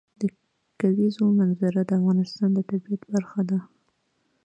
د کلیزو منظره د افغانستان د طبیعت برخه ده.